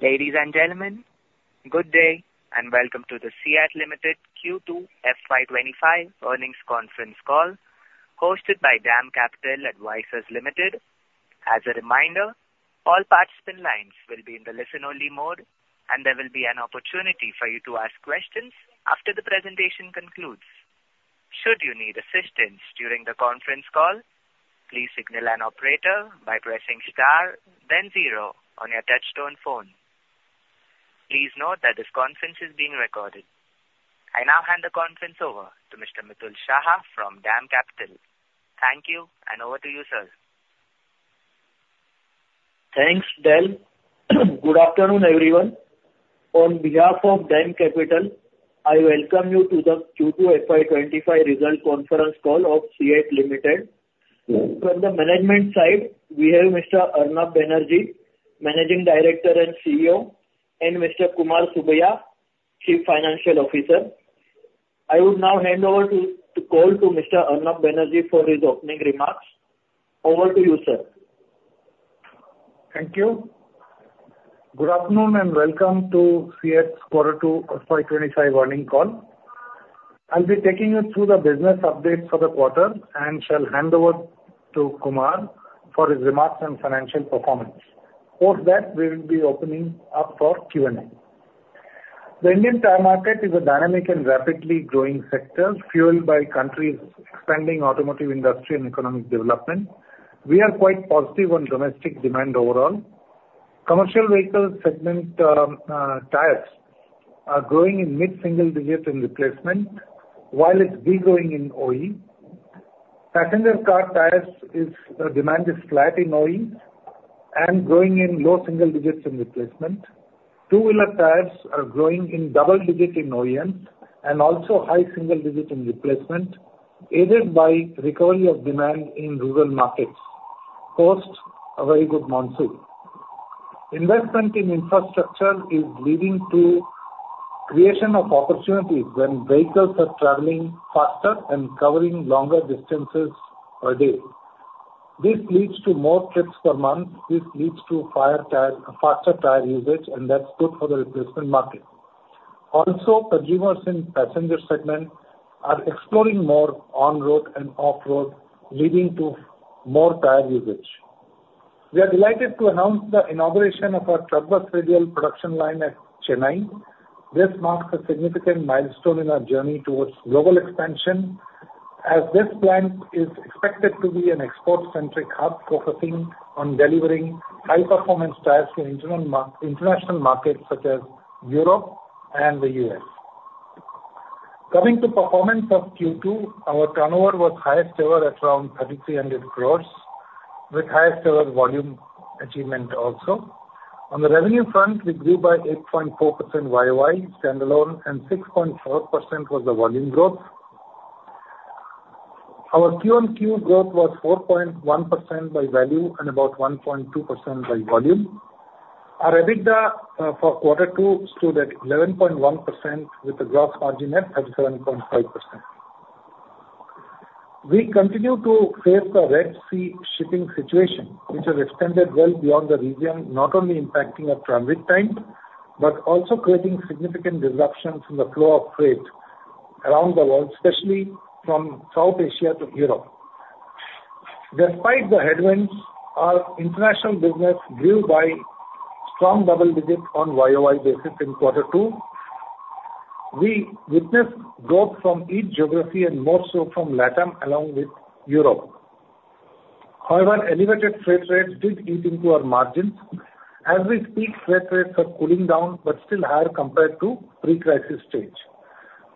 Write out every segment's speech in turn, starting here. Ladies and gentlemen, good day, and welcome to the CEAT Limited Q2 FY 2025 earnings conference call, hosted by DAM Capital Advisors Limited. As a reminder, all participant lines will be in the listen-only mode, and there will be an opportunity for you to ask questions after the presentation concludes. Should you need assistance during the conference call, please signal an operator by pressing star then zero on your touchtone phone. Please note that this conference is being recorded. I now hand the conference over to Mr. Mitul Shah from DAM Capital. Thank you, and over to you, sir. Thanks, Del. Good afternoon, everyone. On behalf of DAM Capital, I welcome you to the Q2 FY 2025 result conference call of CEAT Limited. From the management side, we have Mr. Arnab Banerjee, Managing Director and CEO, and Mr. Kumar Subbiah, Chief Financial Officer. I would now hand over the call to Mr. Arnab Banerjee for his opening remarks. Over to you, sir. Thank you. Good afternoon, and welcome to CEAT's quarter two of FY 2025 earnings call. I'll be taking you through the business update for the quarter and shall hand over to Kumar for his remarks on financial performance. Post that, we will be opening up for Q&A. The Indian tire market is a dynamic and rapidly growing sector, fueled by country's expanding automotive industry and economic development. We are quite positive on domestic demand overall. Commercial vehicle segment tires are growing in mid-single digits in replacement, while it's de-growing in OE. Passenger car tires demand is flat in OE and growing in low single digits in replacement. Two-wheeler tires are growing in double digit in OEMs and also high single digit in replacement, aided by recovery of demand in rural markets, post a very good monsoon. Investment in infrastructure is leading to creation of opportunities when vehicles are traveling faster and covering longer distances per day. This leads to more trips per month, this leads to faster tire usage, and that's good for the replacement market. Also, consumers in Passenger segment are exploring more on-road and off-road, leading to more tire usage. We are delighted to announce the inauguration of our Truck-Bus Radial Production line at Chennai. This marks a significant milestone in our journey towards global expansion, as this plant is expected to be an export-centric hub, focusing on delivering high-performance tires to international markets such as Europe and the U.S. Coming to performance of Q2, our turnover was highest ever at around 3,300 crores, with highest ever volume achievement also. On the revenue front, we grew by 8.4% YoY standalone, and 6.4% was the volume growth. Our Q-on-Q growth was 4.1% by value and about 1.2% by volume. Our EBITDA for quarter two stood at 11.1%, with a gross margin at 37.5%. We continue to face the Red Sea shipping situation, which has extended well beyond the region, not only impacting our transit time, but also creating significant disruptions in the flow of freight around the world, especially from South Asia to Europe. Despite the headwinds, our International business grew by strong double digits on YoY basis in quarter two. We witnessed growth from each geography, and more so from LATAM, along with Europe. However, elevated freight rates did eat into our margins. As we speak, freight rates are cooling down, but still higher compared to pre-crisis stage.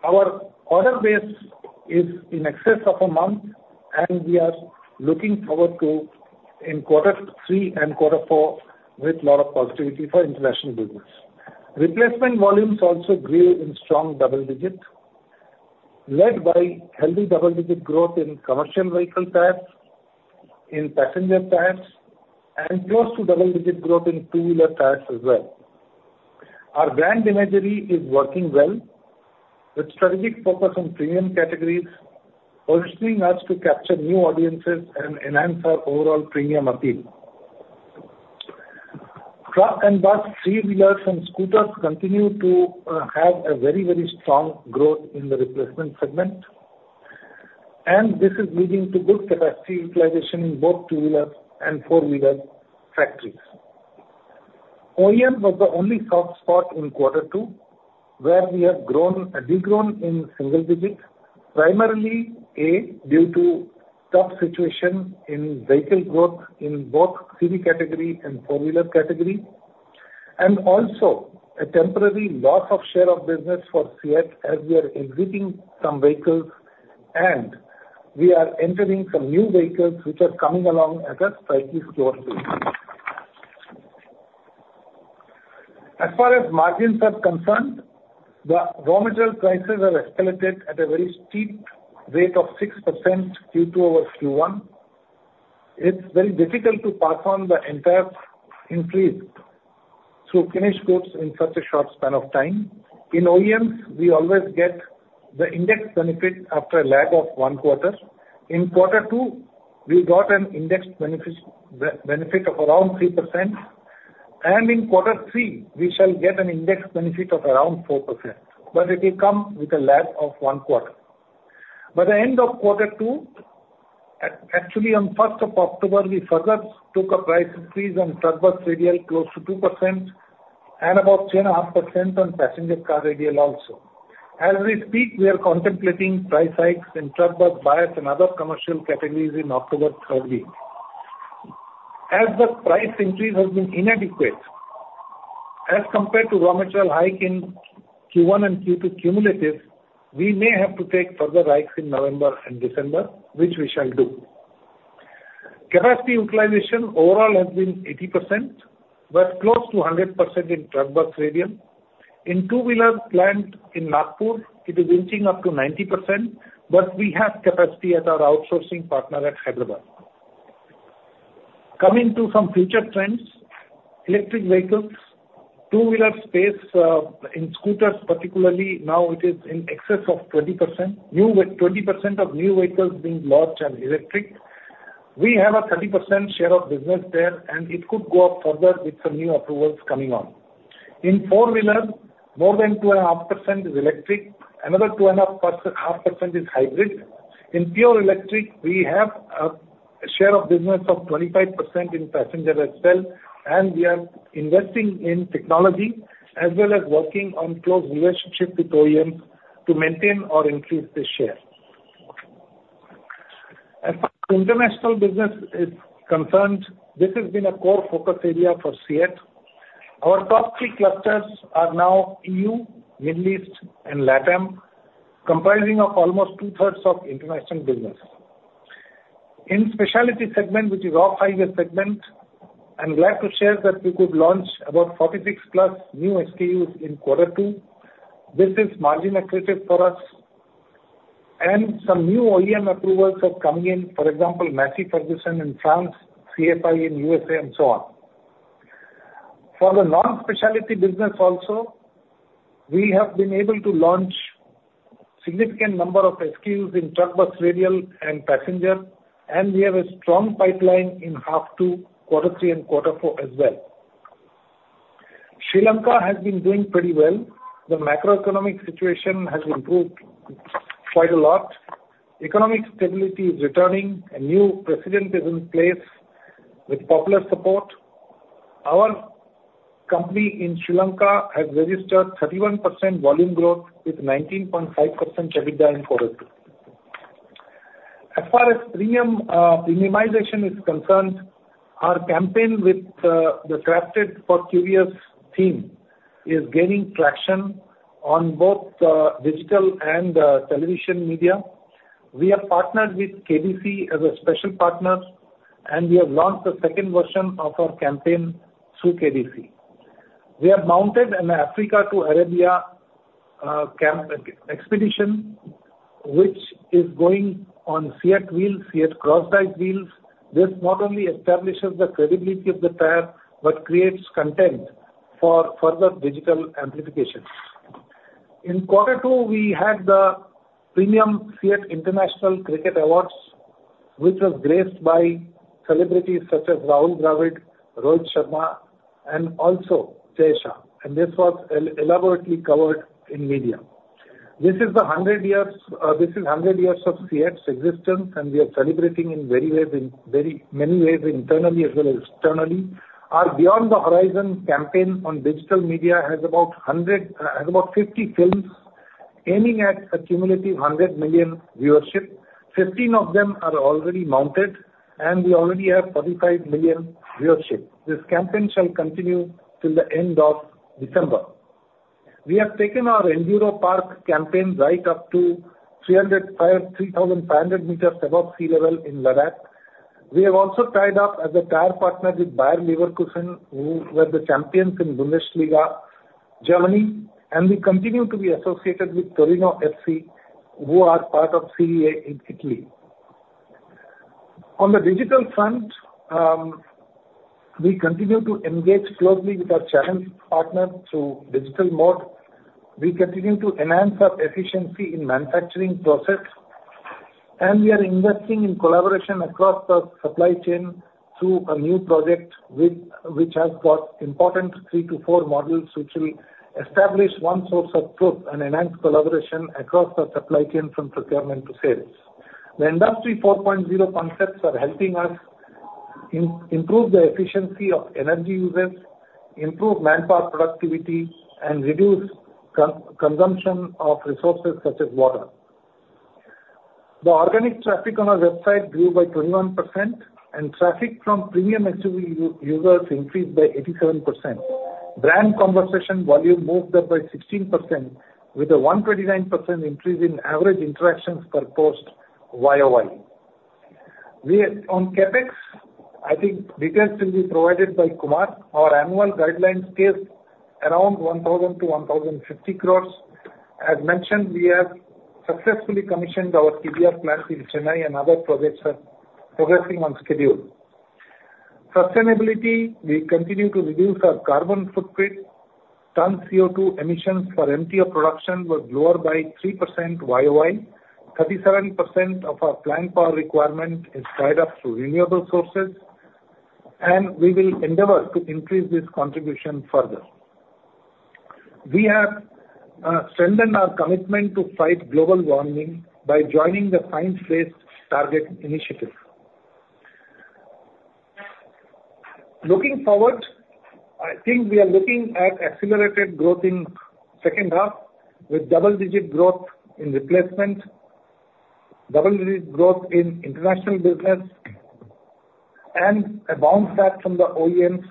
Our order base is in excess of a month, and we are looking forward to in quarter three and quarter four with a lot of positivity for international business. Replacement volumes also grew in strong double digits, led by healthy double-digit growth in commercial vehicle tires, in passenger tires, and close to double-digit growth in two-wheeler tires as well. Our brand imagery is working well, with strategic focus on premium categories, positioning us to capture new audiences and enhance our overall premium appeal. Truck and bus, three-wheelers and scooters continue to have a very, very strong growth in the Replacement segment, and this is leading to good capacity utilization in both two-wheeler and four-wheeler factories. OEM was the only soft spot in quarter two, where we have grown, de-grown in single digits, primarily due to tough situation in vehicle growth in both three-wheel category and four-wheeler category, and also a temporary loss of share of business for CEAT as we are exiting some vehicles, and we are entering some new vehicles, which are coming along at a slightly slower pace. As far as margins are concerned, the raw material prices have escalated at a very steep rate of 6%, Q2 over Q1. It's very difficult to pass on the entire increase through finished goods in such a short span of time. In OEMs, we always get the index benefit after a lag of one quarter. In quarter two, we got an index benefit of around 3%, and in quarter three, we shall get an index benefit of around 4%, but it will come with a lag of one quarter. By the end of quarter two, actually, on first of October, we further took a price increase on truck bus radial close to 2% and about 2.5% on passenger car radial also. As we speak, we are contemplating price hikes in truck bus bias and other commercial categories in October third week. As the price increase has been inadequate, as compared to raw material hike in Q1 and Q2 cumulative, we may have to take further hikes in November and December, which we shall do. Capacity utilization overall has been 80%, but close to 100% in truck bus radial. In two-wheeler plant in Nagpur, it is inching up to 90%, but we have capacity at our Outsourcing Partner at Hyderabad. Coming to some future trends, electric vehicles, two-wheeler space, in scooters, particularly, now it is in excess of 20%. 20% of new vehicles being launched are electric. We have a 30% share of business there, and it could go up further with some new approvals coming on. In four-wheeler, more than 2.5% is electric, another 2.5% is hybrid. In pure electric, we have a share of business of 25% in passenger as well, and we are investing in technology as well as working on close relationship with OEM to maintain or increase this share. As far as international business is concerned, this has been a core focus area for CEAT. Our top three clusters are now EU, Middle East, and LATAM, comprising of almost 2/3 of International business. In Specialty segment, which is Off-Highway segment, I'm glad to share that we could launch about 46+ new SKUs in quarter two. This is margin accretive for us, and some new OEM approvals are coming in. For example, Massey Ferguson in France, CFI in USA, and so on. For the Non-Specialty business also, we have been able to launch significant number of SKUs in truck bus, radial, and passenger, and we have a strong pipeline in half two, quarter three, and quarter four as well. Sri Lanka has been doing pretty well. The macroeconomic situation has improved quite a lot. Economic stability is returning, a new President is in place with popular support. Our company in Sri Lanka has registered 31% volume growth with 19.5% EBITDA in quarter two. As far as premiumization is concerned, our campaign with the Crafted for Curious theme is gaining traction on both digital and television media. We are partnered with KBC as a special partner, and we have launched the second version of our campaign through KBC. We have mounted an Africa to Arabia expedition, which is going on CEAT wheels, CEAT CrossDrive wheels. This not only establishes the credibility of the tire, but creates content for further digital amplification. In quarter two, we had the premium CEAT International Cricket Awards, which was graced by celebrities such as Rahul Dravid, Rohit Sharma, and also Jay Shah, and this was elaborately covered in media. This is the 100 years of CEAT's existence, and we are celebrating in very many ways, internally as well as externally. Our Beyond the Horizon campaign on digital media has about 50 films, aiming at a cumulative 100 million viewership. 15 of them are already mounted, and we already have 35 million viewership. This campaign shall continue till the end of December. We have taken our Enduro Park campaign right up to 3,500 meters above sea level in Ladakh. We have also tied up as a tire partner with Bayer Leverkusen, who were the champions in Bundesliga, Germany, and we continue to be associated with Torino FC, who are part of Serie A in Italy. On the digital front, we continue to engage closely with our channel partners through digital mode. We continue to enhance our efficiency in manufacturing process, and we are investing in collaboration across the supply chain through a new project, which has got important three to four modules, which will establish one source of truth and enhance collaboration across the supply chain from procurement to sales. The Industry 4.0 concepts are helping us improve the efficiency of energy usage, improve manpower productivity, and reduce consumption of resources such as water. The organic traffic on our website grew by 21%, and traffic from premium SUV users increased by 87%. Brand conversation volume moved up by 16%, with a 129% increase in average interactions per post YoY. On CapEx, I think details will be provided by Kumar. Our annual guidelines is around 1,000-1,050 crores. As mentioned, we have successfully commissioned our TBR plant in Chennai, and other projects are progressing on schedule. Sustainability, we continue to reduce our carbon footprint. Tonnes of CO2 emissions for MT of production were lower by 3% YoY. 37% of our Plant Power Requirement is tied up to renewable sources, and we will endeavor to increase this contribution further. We have strengthened our commitment to fight global warming by joining the Science Based Targets Initiative. Looking forward, I think we are looking at accelerated growth in second half, with double-digit growth in replacement, double-digit growth in International business, and a bounce back from the OEMs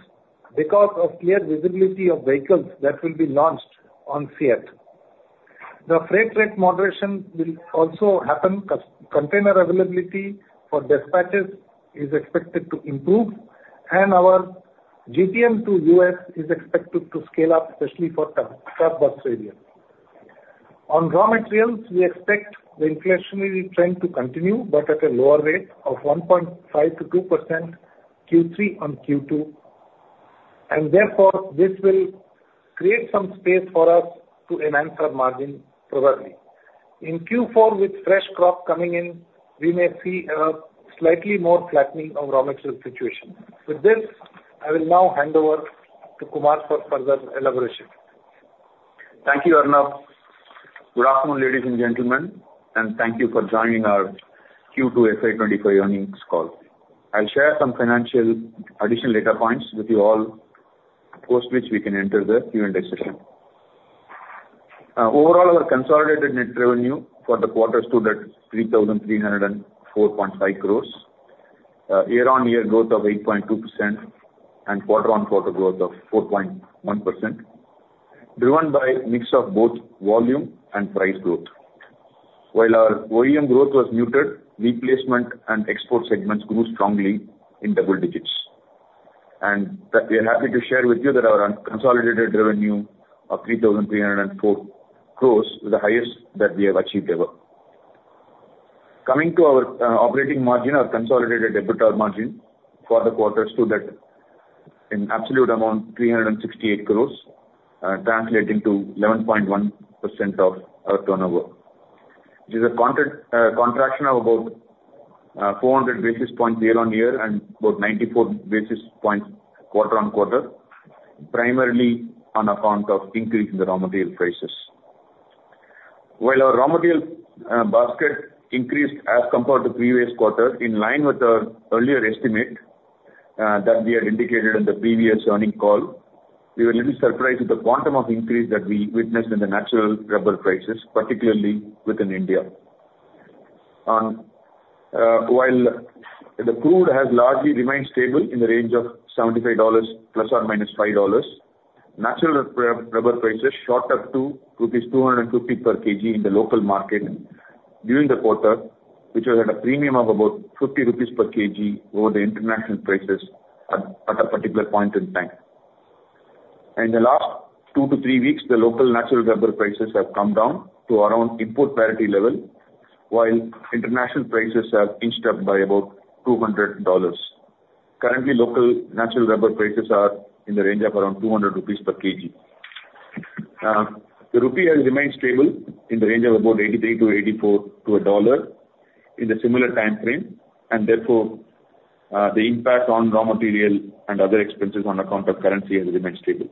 because of clear visibility of vehicles that will be launched on CEAT. The freight rate moderation will also happen, container availability for dispatches is expected to improve, and our GTM to U.S. is expected to scale up, especially for truck bus radial. On raw materials, we expect the inflationary trend to continue, but at a lower rate of 1.5%-2% Q3 on Q2, and therefore, this will create some space for us to enhance our margin progressively. In Q4, with fresh crop coming in, we may see a slightly more flattening of raw material situation. With this, I will now hand over to Kumar for further elaboration. Thank you, Arnab. Good afternoon, ladies and gentlemen, and thank you for joining our Q2 FY 2025 earnings call. I'll share some financial additional data points with you all, post which we can enter the Q&A session. Overall, our consolidated net revenue for the quarter stood at 3,304.5 crores. Year-on-year growth of 8.2% and quarter-on-quarter growth of 4.1%, driven by mix of both volume and price growth. While our OEM growth was muted, Replacement and Export segments grew strongly in double digits, and that we are happy to share with you that our unconsolidated revenue of 3,304 crores is the highest that we have achieved ever. Coming to our operating margin, our consolidated EBITDA margin for the quarter stood at, in absolute amount, 368 crore, translating to 11.1% of our turnover. Which is a contraction of about 400 basis points year-on-year and about 94 basis points quarter-on-quarter, primarily on account of increase in the raw material prices. While our raw material basket increased as compared to previous quarter, in line with our earlier estimate, that we had indicated in the previous earnings call, we were a little surprised with the quantum of increase that we witnessed in the natural rubber prices, particularly within India. While the crude has largely remained stable in the range of $75±$5, natural rubber prices shot up to rupees 200 per kg in the local market during the quarter, which was at a premium of about 50 rupees per kg over the international prices at a particular point in time. In the last two to three weeks, the local natural rubber prices have come down to around import parity level, while international prices have inched up by about $200. Currently, local natural rubber prices are in the range of around 200 rupees per kg. The rupee has remained stable in the range of about 83-84 to a $1 in the similar time frame, and therefore, the impact on raw material and other expenses on account of currency has remained stable.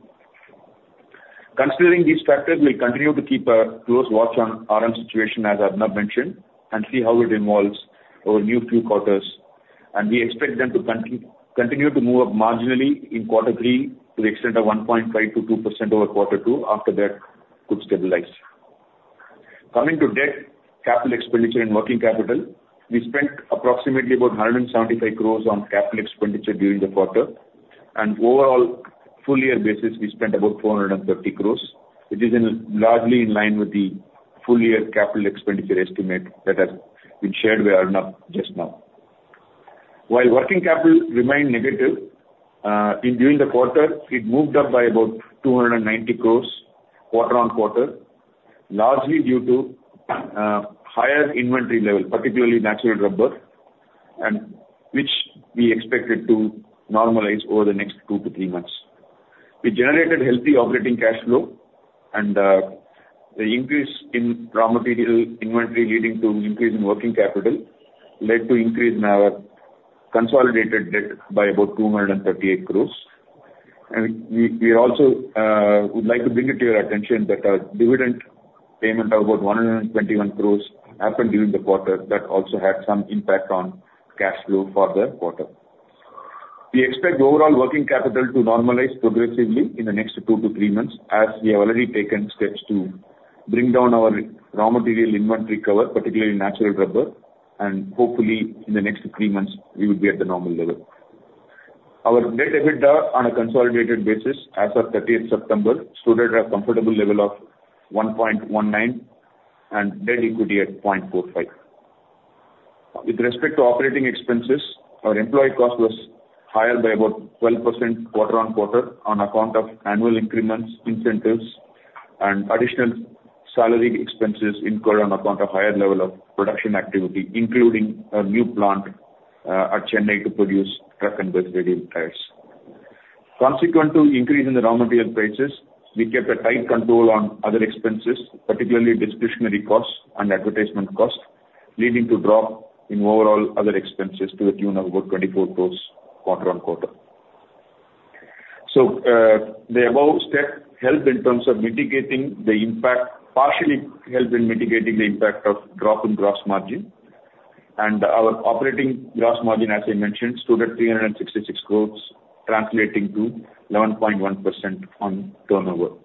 Considering these factors, we'll continue to keep a close watch on RM situation, as Arnab mentioned, and see how it evolves over the next few quarters, and we expect them to continue to move up marginally in quarter three, to the extent of 1.5%-2% over quarter two. After that, could stabilize. Coming to debt, capital expenditure and working capital, we spent approximately 175 crores on capital expenditure during the quarter, and overall, full year basis, we spent about 430 crores. It is, largely in line with the full year capital expenditure estimate that has been shared by Arnab just now. While working capital remained negative during the quarter, it moved up by about 290 crores quarter on quarter, largely due to higher inventory level, particularly natural rubber, and which we expected to normalize over the next two to three months. We generated healthy operating cash flow, and the increase in raw material inventory leading to increase in working capital led to increase in our consolidated debt by about 238 crores. We also would like to bring it to your attention that our dividend payment of about 121 crores happened during the quarter. That also had some impact on cash flow for the quarter. We expect overall working capital to normalize progressively in the next two to three months, as we have already taken steps to bring down our raw material inventory cover, particularly natural rubber, and hopefully, in the next three months, we will be at the normal level. Our debt-to-EBITDA on a consolidated basis, as of thirtieth September, stood at a comfortable level of 1.19, and debt-to-equity at 0.45. With respect to operating expenses, our employee cost was higher by about 12% quarter on quarter on account of annual increments, incentives, and additional salaried expenses incurred on account of higher level of production activity, including a new plant at Chennai to produce truck bus radial tires. Consequent to increase in the raw material prices, we kept a tight control on other expenses, particularly discretionary costs and advertisement costs, leading to drop in overall other expenses to the tune of about 24 crores quarter on quarter. So the above step helped in terms of mitigating the impact, partially helped in mitigating the impact of drop in gross margin. Our operating gross margin, as I mentioned, stood at 366 crores, translating to 11.1% on turnover.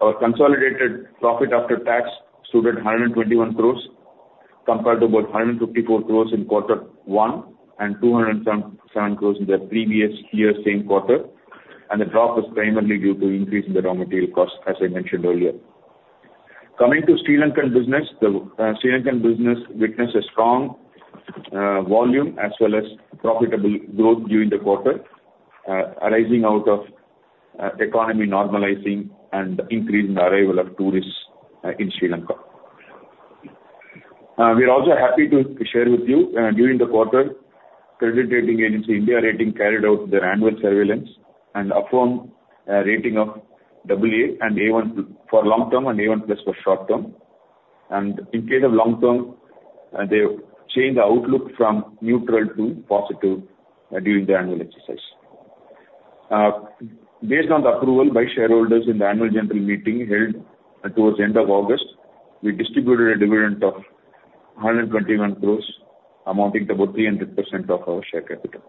Our consolidated profit after tax stood at 121 crores, compared to about 154 crores in quarter one, and 257 crores in the previous year's same quarter, and the drop is primarily due to increase in the raw material cost, as I mentioned earlier. Coming to Sri Lankan business, the Sri Lankan business witnessed a strong volume as well as profitable growth during the quarter, arising out of economy normalizing and increase in the arrival of tourists in Sri Lanka. We are also happy to share with you during the quarter, credit rating agency, India Ratings, carried out their annual surveillance and affirmed a rating of AA for long term and A1+ for short term, and in case of long term, they've changed the outlook from neutral to positive during the annual exercise. Based on the approval by shareholders in the annual general meeting held towards the end of August, we distributed a dividend of 121 crores, amounting to about 300% of our share capital.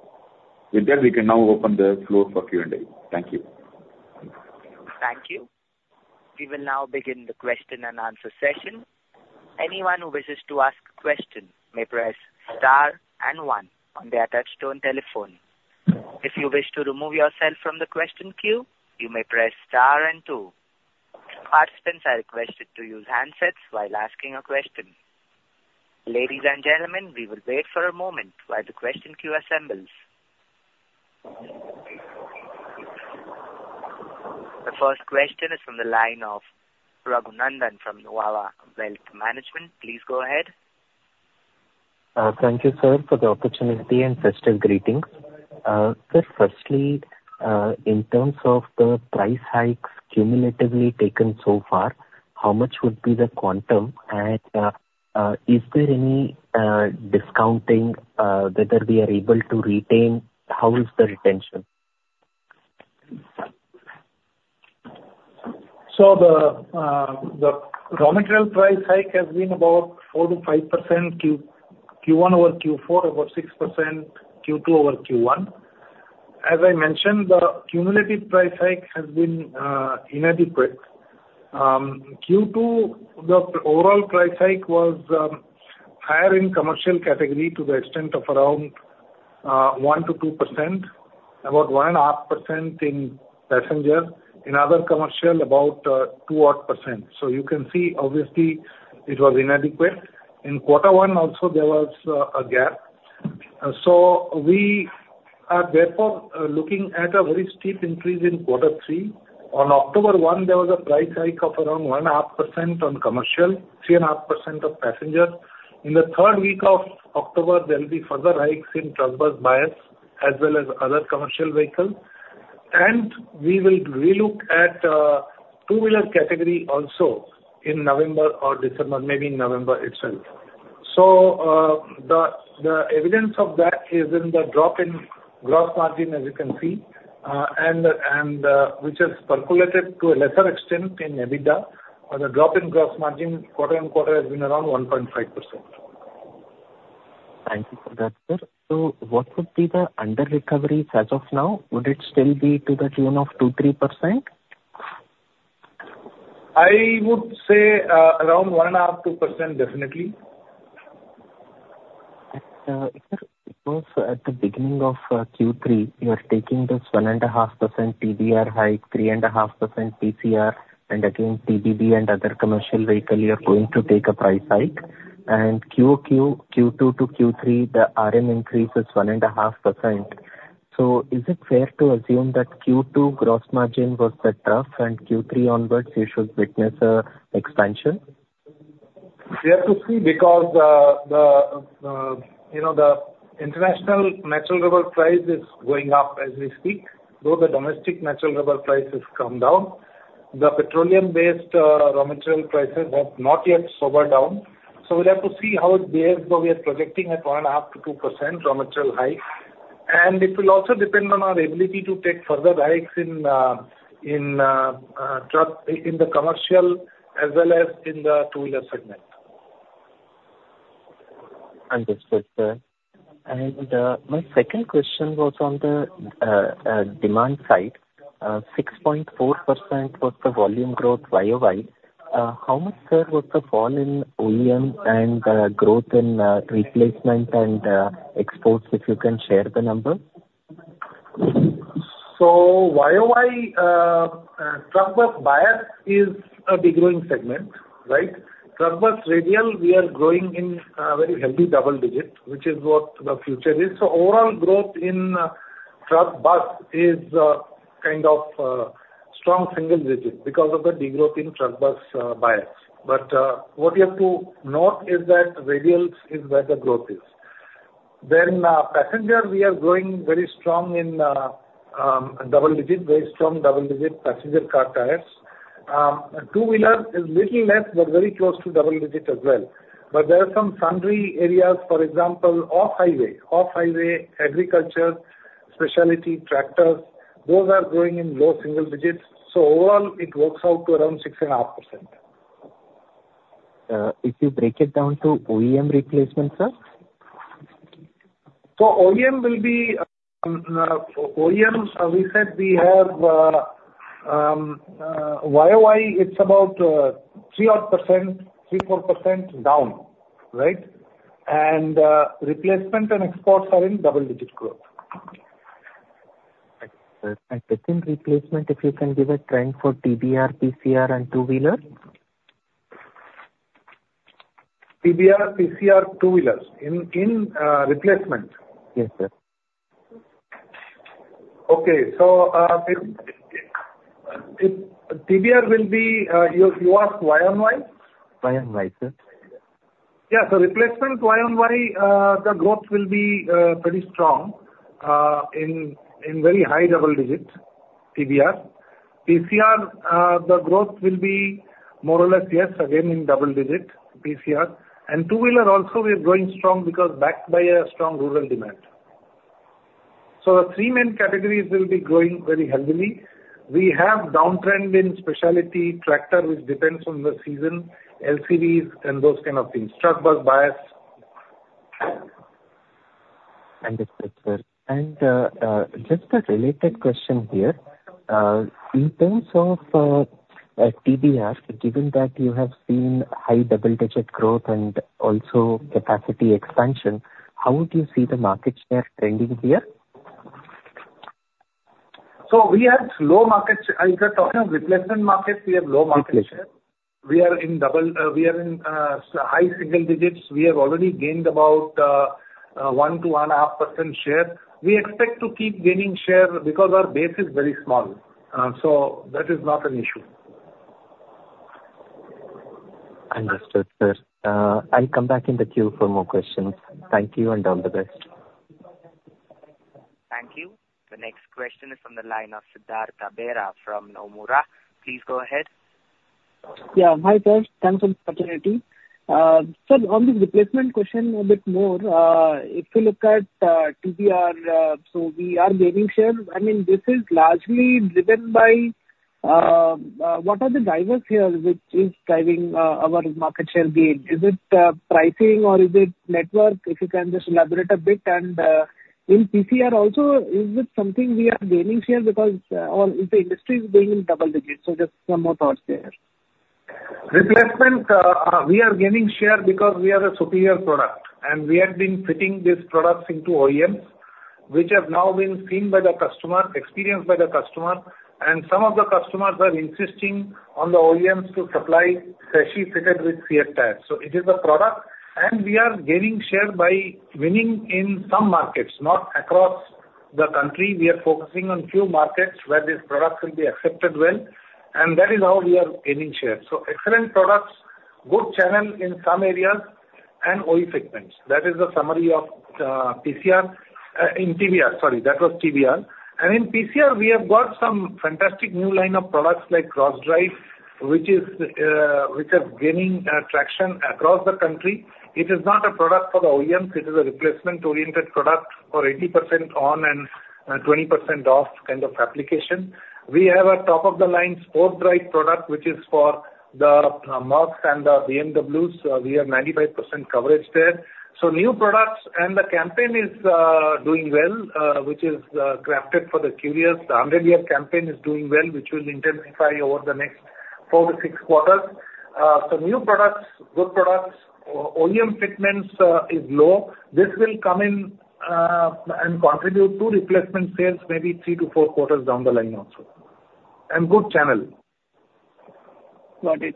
With that, we can now open the floor for Q&A. Thank you. Thank you. We will now begin the question and answer session. Anyone who wishes to ask a question may press star and one on their touchtone telephone. If you wish to remove yourself from the question queue, you may press star and two. Participants are requested to use handsets while asking a question. Ladies and gentlemen, we will wait for a moment while the question queue assembles. The first question is from the line of Raghu Nandan from Nuvama Wealth Management. Please go ahead. Thank you, sir, for the opportunity, and festive greetings. Sir, firstly, in terms of the price hikes cumulatively taken so far, how much would be the quantum? And, is there any discounting, whether we are able to retain? How is the retention? So the raw material price hike has been about 4%-5% Q1 over Q4, about 6% Q2 over Q1. As I mentioned, the cumulative price hike has been inadequate. Q2, the overall price hike was higher in commercial category to the extent of around 1%-2%, about 1.5% in passenger. In other commercial, about two-odd %. So you can see, obviously, it was inadequate. In quarter one also, there was a gap. So we are therefore looking at a very steep increase in quarter three. On October 1, there was a price hike of around 1.5% on commercial, 3.5% of passenger. In the third week of October, there will be further hikes in truck bus bias, as well as other commercial vehicles. We will re-look at two-wheeler category also in November or December, maybe in November itself. The evidence of that is in the drop in gross margin, as you can see, which has percolated to a lesser extent in EBITDA, or the drop in gross margin quarter on quarter has been around 1.5%. Thank you for that, sir. So what would be the under-recoveries as of now? Would it still be to the tune of 2%-3%? I would say, around 1.5%-2%, definitely. Sir, because at the beginning of Q3, you are taking this 1.5% TBR hike, 3.5% PCR, and again, TBB and other commercial vehicle, you are going to take a price hike. Q2 to Q3, the RM increase is 1.5%. Is it fair to assume that Q2 gross margin was the tough, and Q3 onwards, you should witness an expansion? We have to see, because you know, the international natural rubber price is going up as we speak, though the domestic natural rubber price has come down. The petroleum-based raw material prices have not yet sobered down, so we'll have to see how it behaves, but we are projecting at 1.5%-2% raw material hike, and it will also depend on our ability to take further hikes in truck in the commercial as well as in the Two-Wheeler segment. Understood, sir. And, my second question was on the demand side. 6.4% was the volume growth YoY. How much, sir, was the fall in OEM and growth in replacement and exports, if you can share the number? So YoY, truck bus bias is a degrowing segment, right? Truck bus radial, we are growing in very healthy double digit, which is what the future is. So overall growth in truck bus is kind of strong single-digit because of the degrowth in truck bus bias. But what you have to note is that radials is where the growth is. Then passenger, we are growing very strong in double digit, very strong double digit passenger car tires. Two-wheeler is little less, but very close to double digit as well. But there are some sundry areas, for example, off-highway. Off-highway, agriculture, specialty tractors, those are growing in low single digits, so overall it works out to around 6.5%. If you break it down to OEM replacement, sir? So OEM will be OEM, we said we have YoY, it's about 3-odd %, 3%-4% down, right? And replacement and exports are in double digit growth. Okay, and within replacement, if you can give a trend for TBR, PCR and two-wheeler? TBR, PCR, two-wheelers in replacement? Yes, sir. Okay. So, it, TBR will be, you asked YoY? YoY, sir. Yeah, so replacement YoY, the growth will be pretty strong in very high double digit TBR. PCR, the growth will be more or less, yes, again in double digit PCR. And two-wheeler also we are growing strong because backed by a strong rural demand. So the three main categories will be growing very healthily. We have downtrend in specialty tractor, which depends on the season, LCVs and those kind of things, truck bus bias. Understood, sir, and just a related question here. In terms of TBR, given that you have seen high double-digit growth and also capacity expansion, how would you see the market share trending here? If you're talking of replacement market, we have low market share. Replacement. We are in double, we are in high-single digits. We have already gained about 1%-1.5% share. We expect to keep gaining share because our base is very small, so that is not an issue. Understood, sir. I'll come back in the queue for more questions. Thank you, and all the best. Thank you. The next question is from the line of Siddhartha Bera from Nomura. Please go ahead. Yeah. Hi, first, thanks for the opportunity. So on the replacement question, a bit more, if you look at, TBR, so we are gaining share. I mean, this is largely driven by, what are the drivers here, which is driving, our market share gain? Is it, pricing or is it network? If you can just elaborate a bit. And, in PCR also, is it something we are gaining share because, or if the industry is growing in double digits, so just some more thoughts there. Replacement, we are gaining share because we are a superior product, and we have been fitting these products into OEMs, which have now been seen by the customer, experienced by the customer, and some of the customers are insisting on the OEMs to supply specially fitted with CEAT tires. So it is the product, and we are gaining share by winning in some markets, not across the country. We are focusing on few markets where this product will be accepted well, and that is how we are gaining share. So excellent products, good channel in some areas and OE segments. That is the summary of PCR in TBR, sorry, that was TBR. And in PCR, we have got some fantastic new line of products like CrossDrive, which is gaining traction across the country. It is not a product for the OEMs. It is a replacement-oriented product for 80% on and 20% off kind of application. We have a top-of-the-line SportDrive product, which is for the Mercs and the BMWs. We have 95% coverage there. New products, and the campaign is doing well, which is crafted for the curious. The hundred year campaign is doing well, which will intensify over the next four to six quarters. New products, good products, OEM segments is low. This will come in and contribute to replacement sales, maybe three to four quarters down the line also. Good channel. Got it.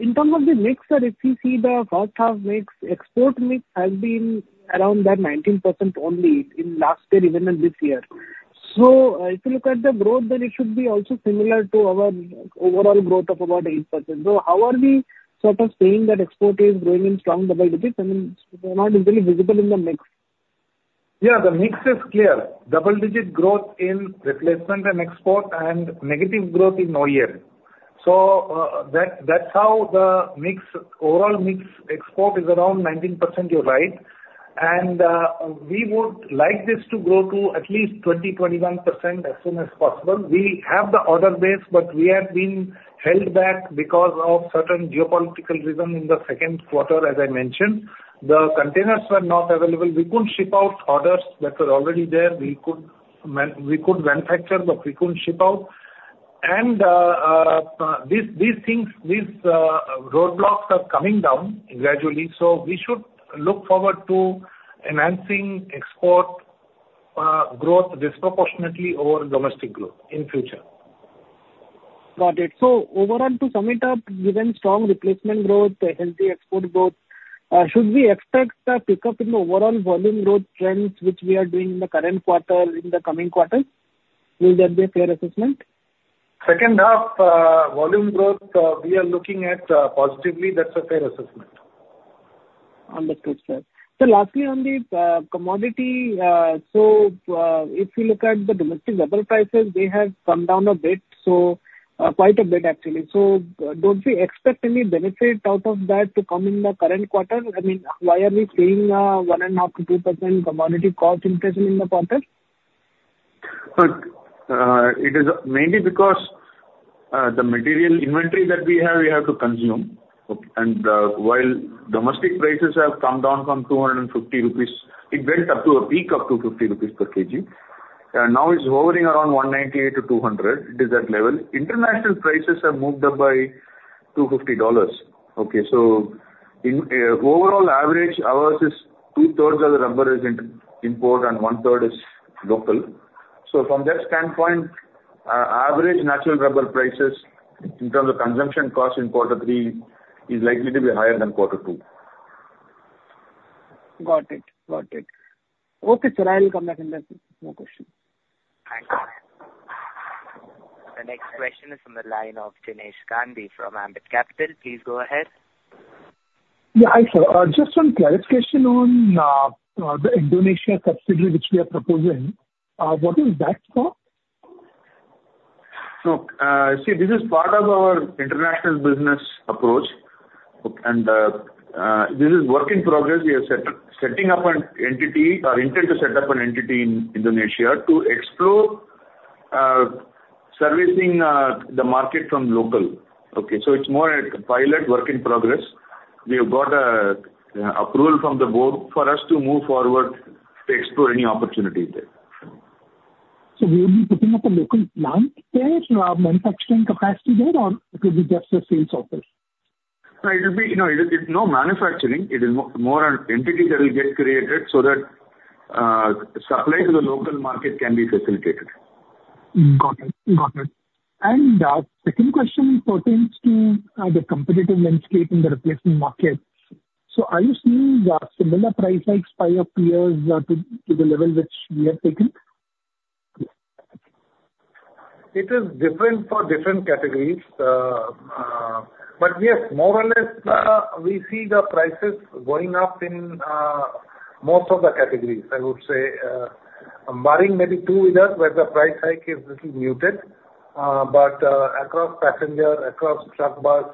In terms of the mix, sir, if you see the first half mix, export mix has been around that 19% only in last year, even in this year. So, if you look at the growth, then it should be also similar to our overall growth of about 8%. So how are we sort of saying that export is growing in strong double digits? I mean, they're not easily visible in the mix. Yeah, the mix is clear. Double-digit growth in replacement and export and negative growth in OEM. So, that, that's how the mix, overall mix export is around 19%, you're right. And, we would like this to grow to at least 20%-21% as soon as possible. We have the order base, but we have been held back because of certain geopolitical reason in the second quarter, as I mentioned. The containers were not available. We couldn't ship out orders that were already there. We could manufacture, but we couldn't ship out. And, these things, these roadblocks are coming down gradually, so we should look forward to enhancing export growth disproportionately over domestic growth in future. Got it. So overall, to sum it up, given strong replacement growth, a healthy export growth, should we expect a pickup in the overall volume growth trends, which we are doing in the current quarter, in the coming quarters? Will that be a fair assessment? Second half volume growth we are looking at positively. That's a fair assessment. Understood, sir. So lastly, on the commodity, if you look at the domestic rubber prices, they have come down a bit, so quite a bit actually. So don't we expect any benefit out of that to come in the current quarter? I mean, why are we seeing a 1.5%-2% commodity cost increase in the quarter? It is mainly because the material inventory that we have, we have to consume, and while domestic prices have come down from 250 rupees, it went up to a peak of 250 rupees per kg, and now it's hovering around 190-200. It is that level. International prices have moved up by $250, okay? So in overall average, ours is two-thirds of the rubber is in import and one-third is local. So from that standpoint, our average natural rubber prices in terms of consumption cost in quarter three is likely to be higher than quarter two. Got it. Got it. Okay, sir, I will come back in case more question. Thank you. The next question is from the line of Jinesh Gandhi from Ambit Capital. Please go ahead. Yeah, hi, sir. Just some clarification on the Indonesia subsidiary which we are proposing. What is that for? This is part of our International Business approach. And, this is work in progress. We are setting up an entity or intend to set up an entity in Indonesia to explore servicing the market from local. Okay, so it's more like a pilot work in progress. We have got approval from the board for us to move forward to explore any opportunities there. So we will be putting up a local plant there, manufacturing capacity there, or it will be just a sales office? No, it'll be, you know, it's no manufacturing. It is more an entity that will get created so that supply to the local market can be facilitated. Got it. Got it. And, second question pertains to the competitive landscape in the replacement market. So are you seeing similar price hikes by your peers to the level which we have taken? It is different for different categories. But yes, more or less, we see the prices going up in most of the categories. I would say, barring maybe two-wheeler, where the price hike is little muted, but across passenger, across truck bus,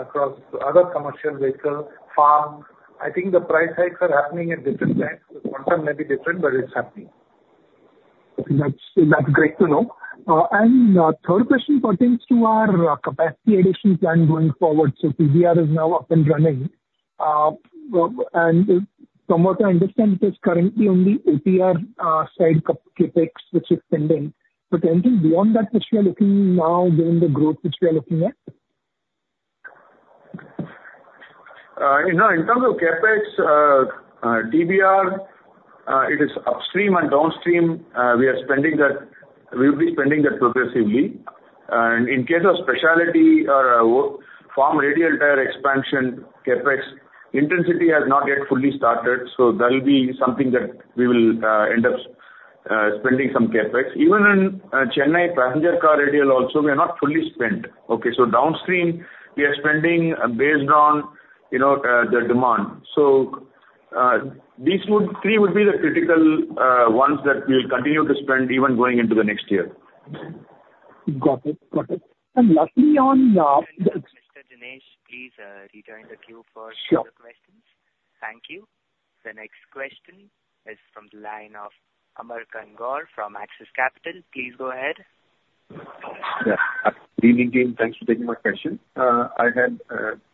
across other commercial vehicle, farms, I think the price hikes are happening at different times. The quantum may be different, but it's happening. Okay, that's great to know. And third question pertains to our capacity addition plan going forward. So TBR is now up and running. And from what I understand, it is currently only PCR side CapEx, which is pending. But anything beyond that which we are looking now given the growth which we are looking at? You know, in terms of CapEx, TBR, it is upstream and downstream. We are spending that, we'll be spending that progressively. And in case of specialty or farm radial tire expansion CapEx, intensity has not yet fully started, so that'll be something that we will end up spending some CapEx. Even in Chennai, passenger car radial also, we are not fully spent, okay? So downstream, we are spending based on, you know, the demand. So these three would be the critical ones that we'll continue to spend even going into the next year. Got it. Got it. And lastly, on Mr. Jinesh, please, rejoin the queue for- Sure. Further questions. Thank you. The next question is from the line of Amar Kant Gaur from Axis Capital. Please go ahead. Yeah. Good evening again, thanks for taking my question. I had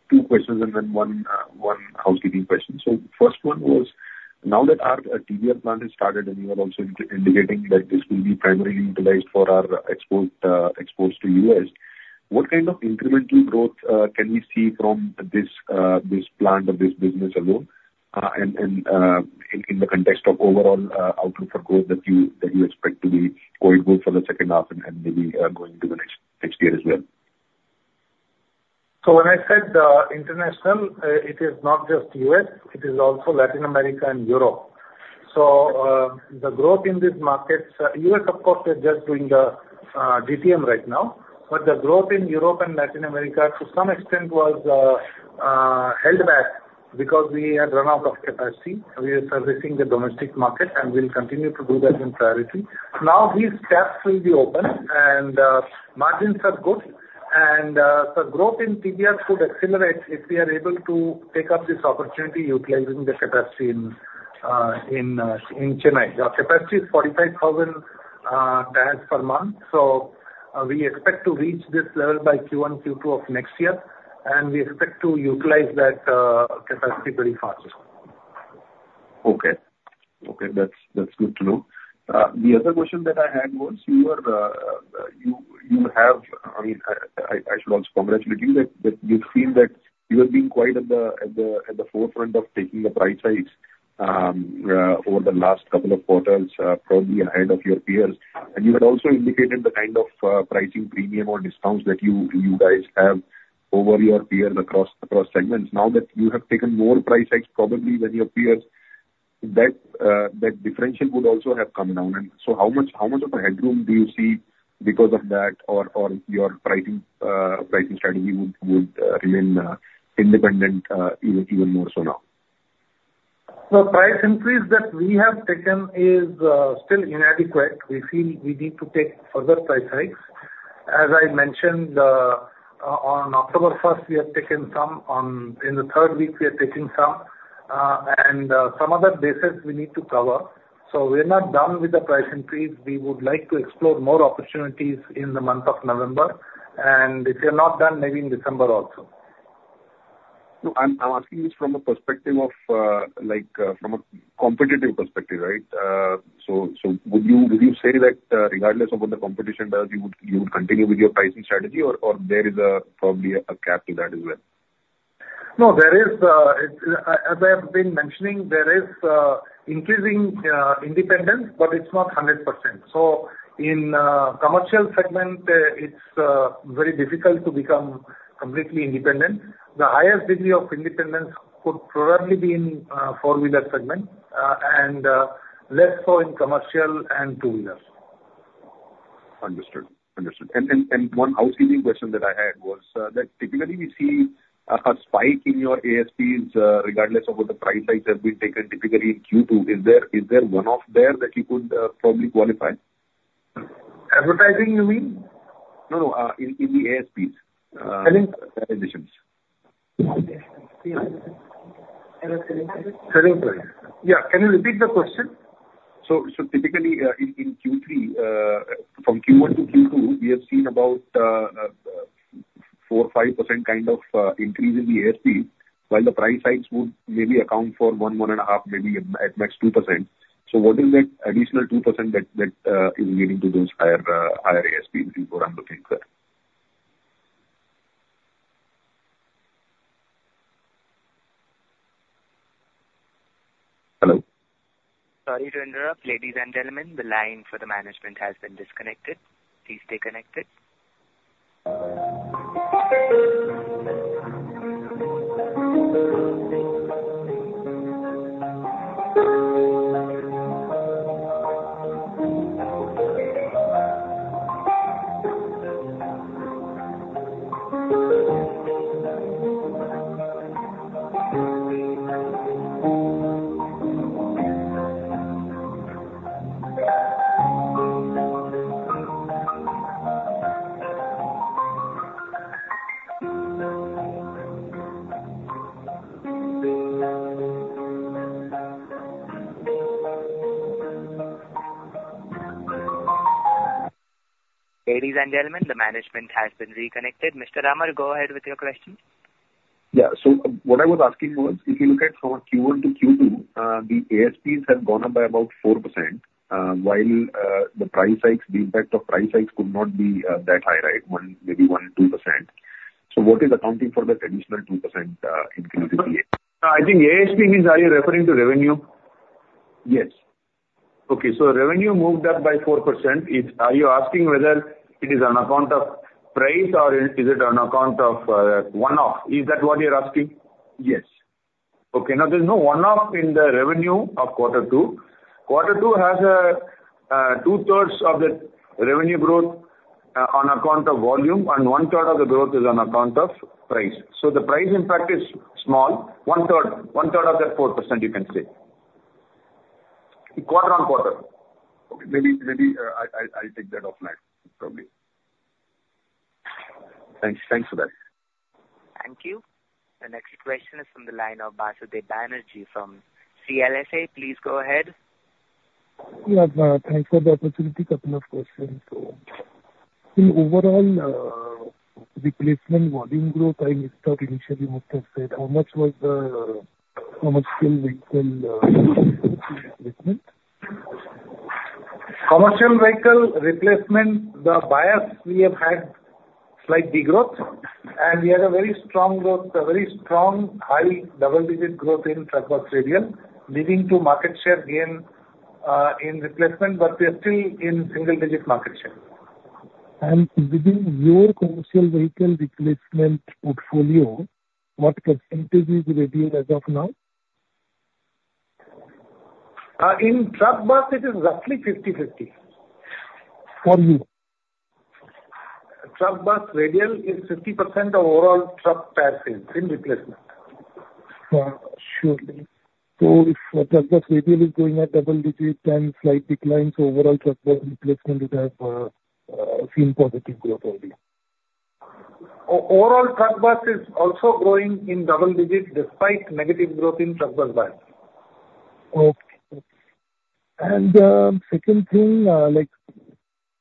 two questions and then one housekeeping question. So first one was, now that our TBR plant has started, and you are also indicating that this will be primarily utilized for our export, exports to U.S., what kind of incremental growth can we see from this plant or this business alone? And in the context of overall outlook for growth that you expect to be going good for the second half and maybe going into the next year as well. When I said international, it is not just U.S., it is also Latin America and Europe. The growth in these markets, U.S. of course, we are just doing the GTM right now. But the growth in Europe and Latin America to some extent was held back because we had run out of capacity. We are servicing the domestic market, and we'll continue to do that in priority. Now, these taps will be open and margins are good, and the growth in TBR could accelerate if we are able to take up this opportunity utilizing the capacity in Chennai. Our capacity is 45,000 tires per month, so we expect to reach this level by Q1, Q2 of next year, and we expect to utilize that capacity very fast. Okay. That's good to know. The other question that I had was, you have... I mean, I should also congratulate you that you've seen that you have been quite at the forefront of taking the price hikes. Over the last couple of quarters, probably ahead of your peers, and you had also indicated the kind of pricing premium or discounts that you guys have over your peers across segments. Now that you have taken more price hikes probably than your peers, that differential would also have come down, and so how much of a headroom do you see because of that, or your pricing strategy would remain independent, even more so now? The price increase that we have taken is still inadequate. We feel we need to take further price hikes. As I mentioned, on October first, we have taken some. In the third week we are taking some, and some other bases we need to cover. So we're not done with the price increase. We would like to explore more opportunities in the month of November, and if we are not done, maybe in December also. No, I'm asking this from a perspective of, like, from a competitive perspective, right? So, would you say that, regardless of what the competition does, you would continue with your pricing strategy or there is probably a cap to that as well? No, there is, as I have been mentioning, there is increasing independence, but it's not 100%. So in Commercial segment, it's very difficult to become completely independent. The highest degree of independence could probably be in Four-Wheeler segment, and less so in commercial and two-wheelers. Understood. Understood. And one housekeeping question that I had was that typically we see a spike in your ASPs, regardless of what the price hikes have been taken, typically in Q2. Is there one off there that you could probably qualify? Advertising, you mean? No, no, in the ASPs, Sorry. Conditions. Sorry, sorry. Yeah, can you repeat the question? Typically, in Q3, from Q1 to Q2, we have seen about 4%-5% kind of increase in the ASP, while the price hikes would maybe account for 1-1.5%, maybe at most 2%. What is that additional 2% that is leading to those higher ASPs? That is what I'm looking for? Hello? Sorry to interrupt, ladies and gentlemen, the line for the management has been disconnected. Please stay connected. Ladies and gentlemen, the management has been reconnected. Mr. Amar, go ahead with your question. Yeah. So what I was asking was, if you look at from Q1 to Q2, the ASPs have gone up by about 4%, while the price hikes, the impact of price hikes could not be that high, right? One, maybe 1%-2%. So what is accounting for the additional 2% increase in the ASP? I think ASP means, are you referring to revenue? Yes. Okay, so revenue moved up by 4%. Are you asking whether it is on account of price, or is it on account of one-off? Is that what you're asking? Yes. Okay, now, there's no one-off in the revenue of quarter two. Quarter two has a two-thirds of the revenue growth on account of volume, and one-third of the growth is on account of price. So the price impact is small. 1/3 of that 4%, you can say. Quarter on quarter. Okay, maybe I'll take that offline, probably. Thanks. Thanks for that. Thank you. The next question is from the line of Basudeb Banerjee from CLSA. Please go ahead. Yeah, thanks for the opportunity. Couple of questions. So in overall replacement volume growth, I missed out initially, Mukund said, how much was the commercial vehicle replacement? Commercial vehicle replacement, the bias we have had slight degrowth, and we had a very strong growth, a very strong high double-digit growth in truck bus radial, leading to market share gain in replacement, but we are still in single-digit market share. Within your commercial vehicle replacement portfolio, what percentage is radial as of now? In truck bus it is roughly 50/50. Pardon me? Truck Bus Radial is 50% of overall truck tire sales in replacement. Surely. So if truck bus radial is growing at double digits and slight decline, so overall truck bus replacement is seeing positive growth only. Overall, truck bus is also growing in double digits, despite negative growth in truck bus bias. Okay. And, second thing, like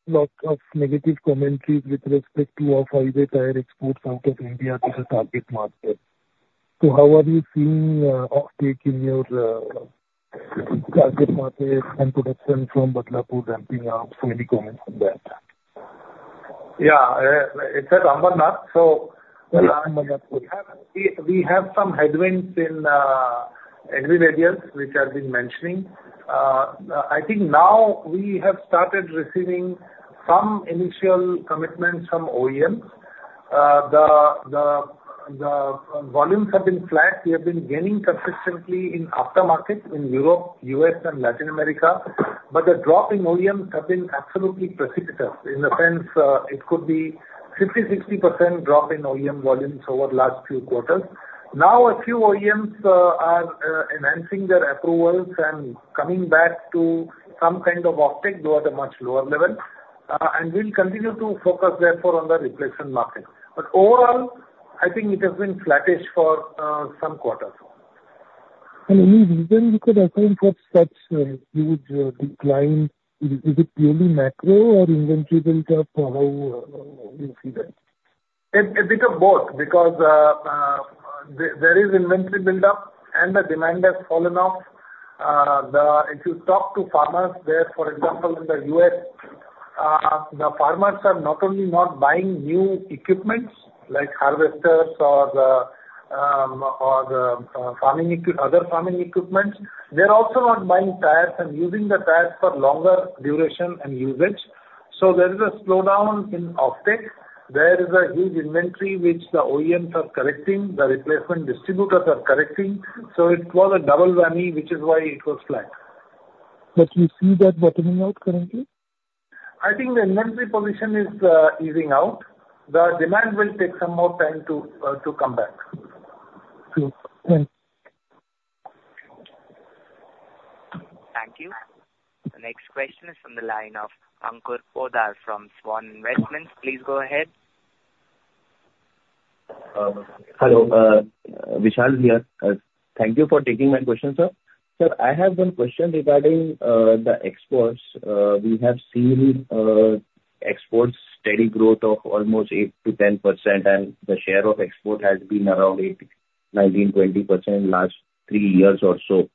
lot of negative commentaries with respect to off-highway tire exports out of India to the target market. So how are you seeing, off-take in your, target markets and production from Badlapur ramping up? So any comment on that? Yeah, it's at Ambernath, so we have some headwinds in agri radials, which I've been mentioning. I think now we have started receiving some initial commitments from OEMs. The volumes have been flat. We have been gaining consistently in aftermarket in Europe, U.S., and Latin America, but the drop in OEMs have been absolutely precipitous. In a sense, it could be 50%-60% drop in OEM volumes over the last few quarters. Now, a few OEMs are enhancing their approvals and coming back to some kind of offtake, though at a much lower level. And we'll continue to focus therefore on the replacement market. But overall, I think it has been flattish for some quarters. Any reason you could account for such a huge decline? Is it purely macro or inventory build up, or how you see that? It's a bit of both, because there is inventory build up, and the demand has fallen off. If you talk to farmers there, for example, in the U.S., the farmers are not only not buying new equipments like harvesters or other farming equipments, they're also not buying tires and using the tires for longer duration and usage. So there is a slowdown in offtake. There is a huge inventory which the OEMs are correcting, the replacement distributors are correcting, so it was a double whammy, which is why it was flat. But you see that bottoming out currently? I think the inventory position is easing out. The demand will take some more time to come back. Sure. Thanks. Thank you. The next question is from the line of Ankur Poddar from Swan Investments. Please go ahead. Hello, Vishal here. Thank you for taking my question, sir. Sir, I have one question regarding the exports. We have seen exports steady growth of almost 8%-10%, and the share of export has been around 8%, 19%, 20% last three years or so.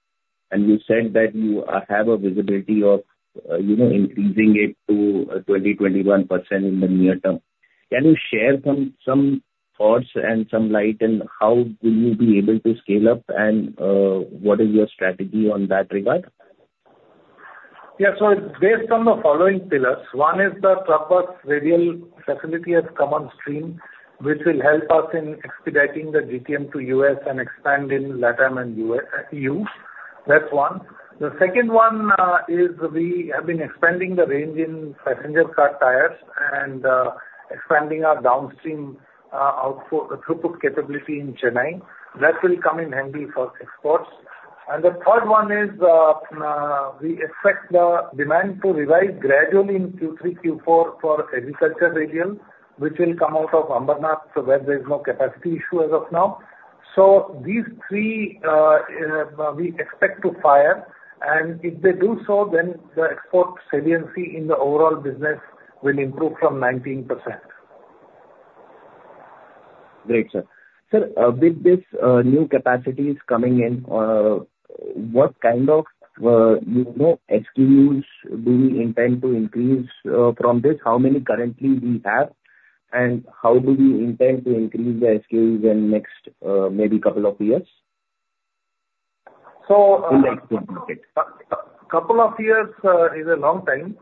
You said that you have a visibility of, you know, increasing it to 20%-21% in the near term. Can you share some thoughts and some light on how will you be able to scale up, and what is your strategy on that regard? Yeah, so it's based on the following pillars. One is the truck bus radial facility has come on stream, which will help us in expediting the GTM to U.S. and expand in LATAM and U.S.-EU. That's one. The second one is we have been expanding the range in passenger car tires and expanding our downstream throughput capability in Chennai. That will come in handy for exports. And the third one is we expect the demand to revise gradually in Q3, Q4 for agriculture radial, which will come out of Ambernath, so where there is no capacity issue as of now. So these three we expect to fire, and if they do so, then the export saliency in the overall business will improve from 19%. Great, sir. Sir, with this, new capacities coming in, what kind of, you know, SKUs do we intend to increase from this? How many currently we have, and how do we intend to increase the SKUs in next, maybe couple of years? A couple of years is a long time.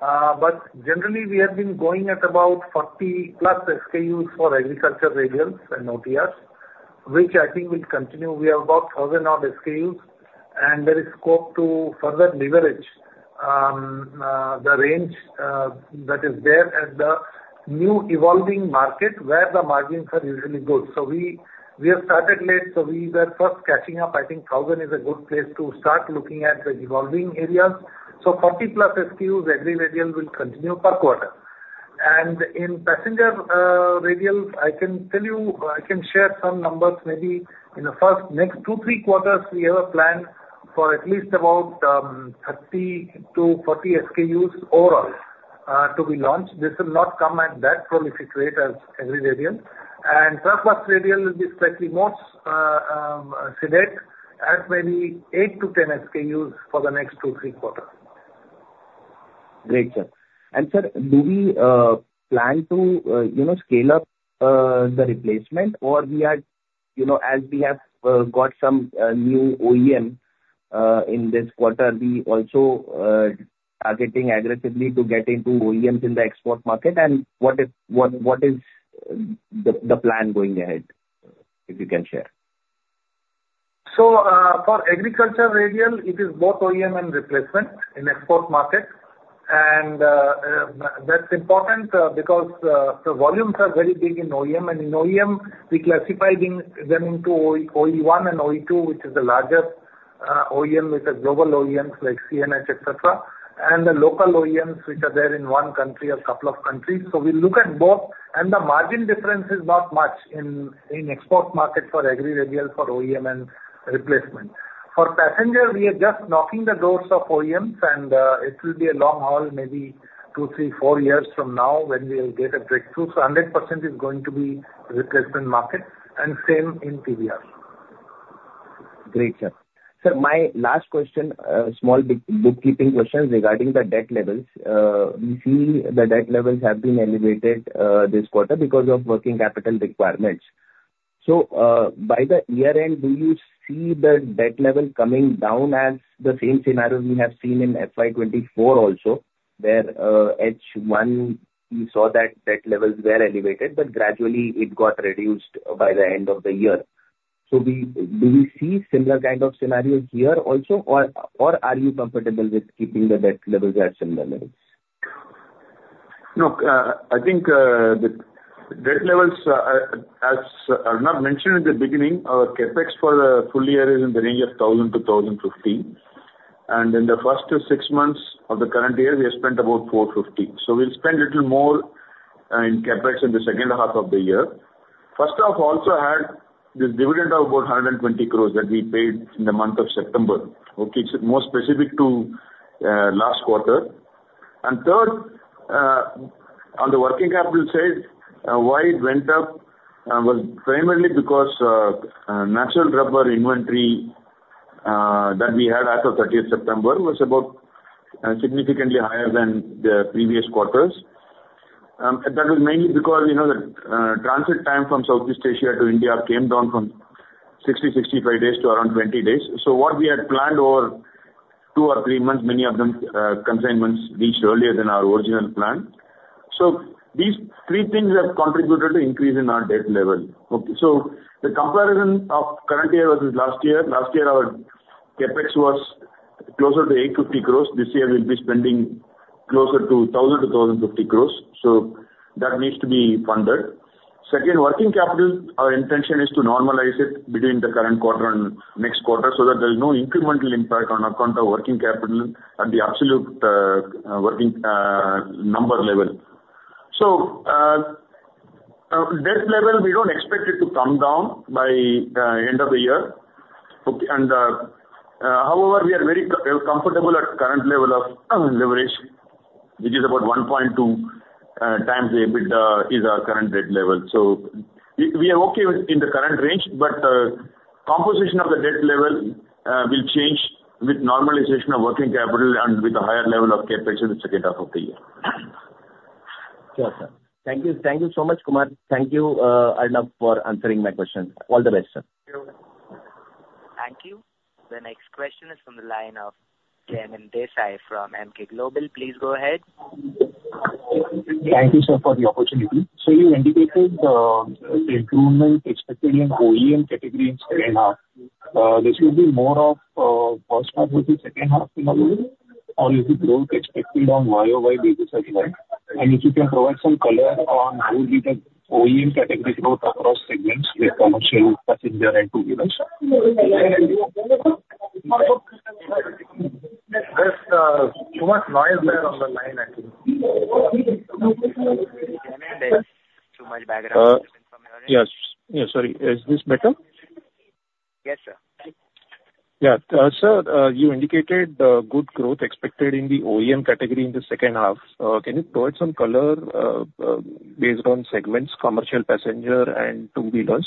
But generally, we have been going at about 40+ SKUs for agriculture radials and OTRs, which I think will continue. We have about 1,000-odd SKUs, and there is scope to further leverage the range that is there at the new evolving market, where the margins are usually good. So we have started late, so we were first catching up. I think 1,000 is a good place to start looking at the evolving areas. So 40+ SKUs, agri radial will continue per quarter. And in passenger radials, I can tell you, I can share some numbers maybe in the first next two, three quarters, we have a plan for at least about 30-40 SKUs overall to be launched. This will not come at that prolific rate as agri radial. And truck bus radial will be slightly more sedate at maybe eight to ten SKUs for the next two, three quarters. Great, sir. Sir, do we plan to, you know, scale up the replacement? Or we are, you know, as we have got some new OEM in this quarter, we also are getting aggressively to get into OEMs in the export market, and what is the plan going ahead, if you can share? So, for agriculture radial, it is both OEM and replacement in export market. And, that's important, because the volumes are very big in OEM. And in OEM, we classifying them into OE, OE1 and OE2, which is the largest, OEM, which are global OEMs like CNH, et cetera, and the local OEMs, which are there in one country or couple of countries. So we look at both, and the margin difference is not much in, in export market for agri radial, for OEM and replacement. For passenger, we are just knocking the doors of OEMs, and, it will be a long haul, maybe two, three, four years from now when we'll get a breakthrough. So 100% is going to be replacement market, and same in TBR. Great, sir. Sir, my last question, small bookkeeping question regarding the debt levels. We see the debt levels have been elevated this quarter because of working capital requirements. So, by the year-end, do you see the debt level coming down as the same scenario we have seen in FY 2024 also, where, H one, we saw that debt levels were elevated, but gradually it got reduced by the end of the year? So we, do we see similar kind of scenarios here also, or, or are you comfortable with keeping the debt levels at similar levels? No, I think the debt levels, as Arnab mentioned in the beginning, our CapEx for the full year is in the range of 1,000-1,050. In the first six months of the current year, we have spent about 450. So we'll spend a little more in CapEx in the second half of the year. First off, also add this dividend of about 120 crores that we paid in the month of September, okay? It's more specific to last quarter. And third, on the working capital side, why it went up was primarily because natural rubber inventory that we had as of 30th September was about significantly higher than the previous quarters. That was mainly because we know that transit time from Southeast Asia to India came down from 60-65 days to around 20 days. So what we had planned over two or three months, many of them, consignments, reached earlier than our original plan. So these three things have contributed to increase in our debt level. Okay, so the comparison of current year versus last year, last year our CapEx was closer to 850 crores. This year we'll be spending closer to 1,000 to 1,050 crores, so that needs to be funded. Second, working capital, our intention is to normalize it between the current quarter and next quarter, so that there's no incremental impact on account of working capital at the absolute, working, number level. So, debt level, we don't expect it to come down by end of the year. Okay, and however, we are very comfortable at current level of leverage, which is about 1.2 times EBITDA, our current debt level. So we are okay within the current range, but composition of the debt level will change with normalization of working capital and with a higher level of CapEx in the second half of the year. Sure, sir. Thank you. Thank you so much, Kumar. Thank you, Arnab, for answering my question. All the best, sir. Thank you. Thank you. The next question is from the line of Jaimin Desai from Emkay Global. Please go ahead. Thank you, sir, for the opportunity. So you indicated improvement expected in OEM category in second half. This will be more of first half or the second half similarly, or is it growth expected on YoY basis as well? And if you can provide some color on how is the OEM category growth across segments with commercial, passenger, and two-wheelers. There's too much noise there on the line, I think. Too much background noise. Yes. Yes, sorry. Is this better? Yes, sir. Yeah. Sir, you indicated good growth expected in the OEM category in the second half. Can you provide some color based on segments, commercial, passenger, and two-wheelers?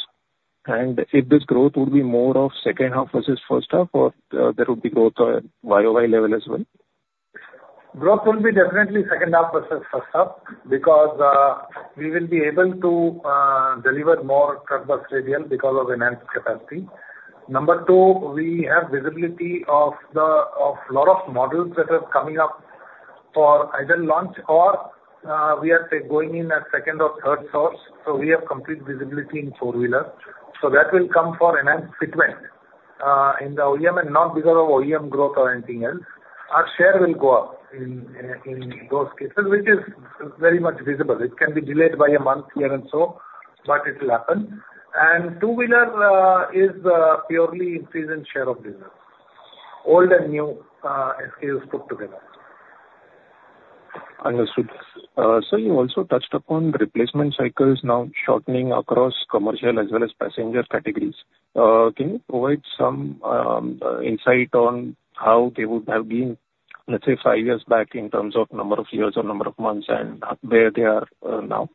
And if this growth would be more of second half versus first half, or there would be growth on YoY level as well? Growth will be definitely second half versus first half, because we will be able to deliver more truck-bus radial because of enhanced capacity. Number two, we have visibility of a lot of models that are coming up for either launch or we are going in as second or third source. So we have complete visibility in four-wheeler. So that will come for enhanced fitment in the OEM and not because of OEM growth or anything else. Our share will go up in those cases, which is very much visible. It can be delayed by a month here and so, but it will happen and two-wheeler is purely increase in share of business, old and new, SKUs put together. Understood. Sir, you also touched upon the replacement cycles now shortening across commercial as well as passenger categories. Can you provide some insight on how they would have been, let's say, five years back in terms of number of years or number of months, and where they are now?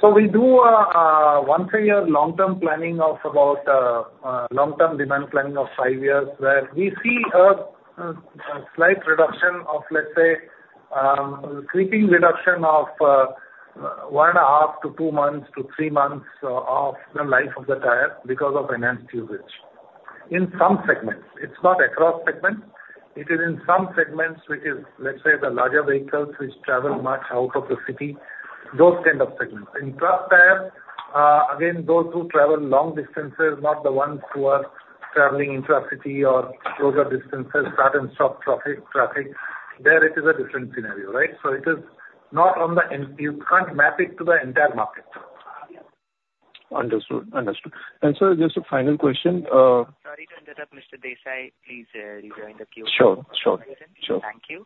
So we do a once a year long-term planning of about long-term demand planning of five years, where we see a slight reduction of, let's say, creeping reduction of one and a half to two months to three months of the life of the tire because of enhanced usage. In some segments, it's not across segments. It is in some segments which is, let's say, the larger vehicles which travel much out of the city, those kind of segments. In truck tires, again, those who travel long distances, not the ones who are traveling intracity or shorter distances, start and stop traffic, there it is a different scenario, right? So it is not on the end. You can't map it to the entire market. Understood. Understood, and sir, just a final question. Sorry to interrupt, Mr. Desai. Please, rejoin the queue. Sure, sure, sure. Thank you.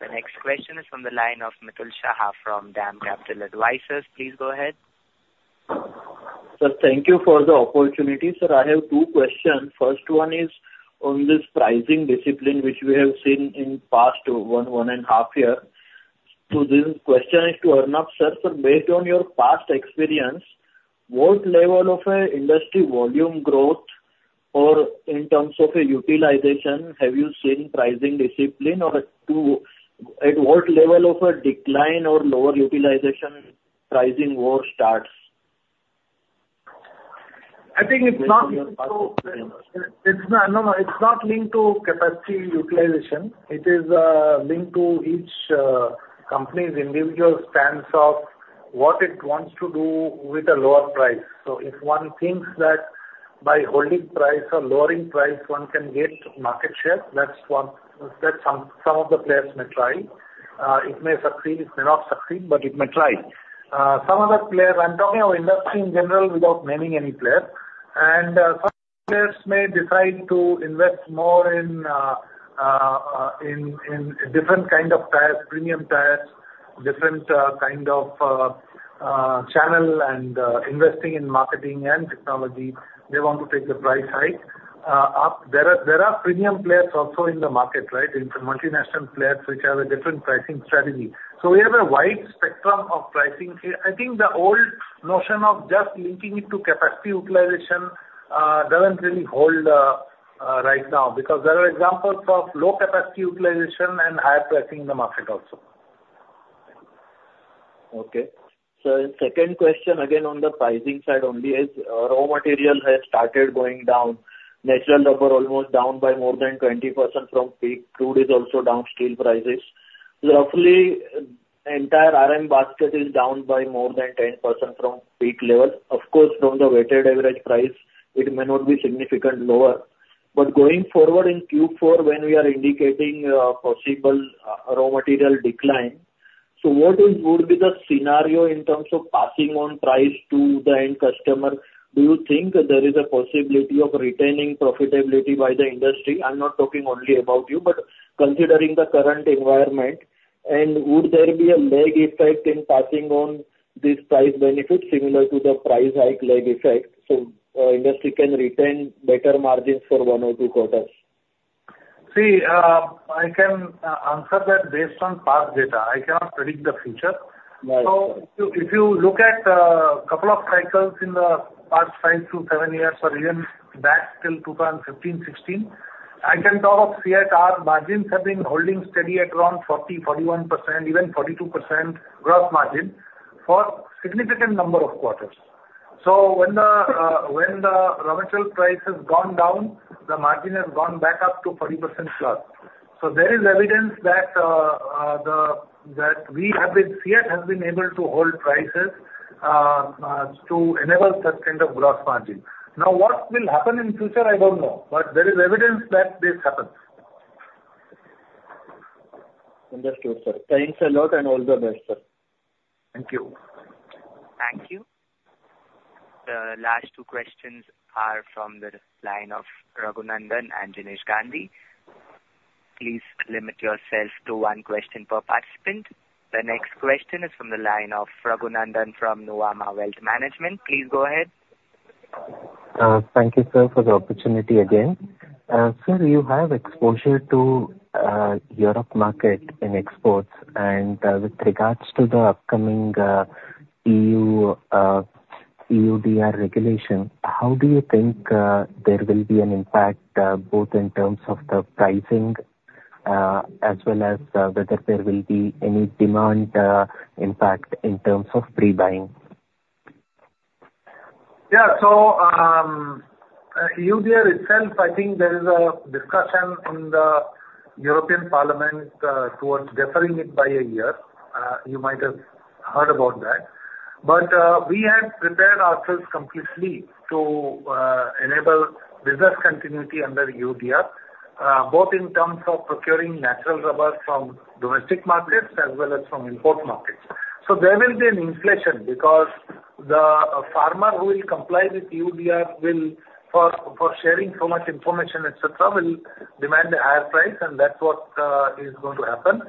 The next question is from the line of Mitul Shah from DAM Capital Advisors. Please go ahead. Sir, thank you for the opportunity. Sir, I have two questions. First one is on this pricing discipline, which we have seen in past one and half year, so this question is to Arnab, sir. So based on your past experience, what level of industry volume growth or in terms of a utilization have you seen pricing discipline or, at what level of a decline or lower utilization pricing war starts? I think it's not linked to capacity utilization. It is linked to each company's individual stance of what it wants to do with a lower price. So if one thinks that by holding price or lowering price, one can get market share, that's one, that some of the players may try. It may succeed, it may not succeed, but it may try. Some other players, I'm talking of industry in general without naming any player. Some players may decide to invest more in different kind of tires, premium tires, different kind of channel and investing in marketing and technology. They want to take the price hike. There are premium players also in the market, right? Multinational players, which have a different pricing strategy. We have a wide spectrum of pricing here. I think the old notion of just linking it to capacity utilization doesn't really hold right now, because there are examples of low capacity utilization and higher pricing in the market also. Okay. So second question, again, on the pricing side only is, raw material has started going down. Natural rubber almost down by more than 20% from peak. Crude is also down, steel prices. Roughly, entire RM basket is down by more than 10% from peak levels. Of course, from the weighted average price, it may not be significant lower. But going forward in Q4, when we are indicating, possible, raw material decline, so what is would be the scenario in terms of passing on price to the end customer? Do you think there is a possibility of retaining profitability by the industry? I'm not talking only about you, but considering the current environment, and would there be a lag effect in passing on this price benefit, similar to the price hike lag effect, so, industry can retain better margins for one or two quarters? See, I can answer that based on past data. I cannot predict the future. Right. If you look at a couple of cycles in the past five to seven years, or even back till 2015, 2016, I can talk of PCR margins have been holding steady at around 40%, 41%, even 42% gross margin for a significant number of quarters. So when the raw material price has gone down, the margin has gone back up to 40%+. So there is evidence that we have been, PCR has been able to hold prices to enable such kind of gross margin. Now, what will happen in future, I don't know. But there is evidence that this happens. Understood, sir. Thanks a lot, and all the best, sir. Thank you. Thank you. The last two questions are from the line of Raghu Nandan and Jinesh Gandhi. Please limit yourself to one question per participant. The next question is from the line of Raghu Nandan from Nuvama Wealth Management. Please go ahead. Thank you, sir, for the opportunity again. Sir, you have exposure to Europe market in exports, and with regards to the upcoming EU EUDR regulation, how do you think there will be an impact both in terms of the pricing as well as whether there will be any demand impact in terms of pre-buying? Yeah. So, EUDR itself, I think there is a discussion in the European Parliament, towards deferring it by a year. You might have heard about that. But, we had prepared ourselves completely to enable business continuity under EUDR, both in terms of procuring natural rubber from domestic markets as well as from import markets. So there will be an inflation, because the farmer who will comply with EUDR will, for sharing so much information, et cetera, will demand a higher price, and that's what is going to happen.